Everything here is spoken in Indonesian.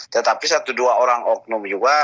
tetapi satu dua orang oknum juga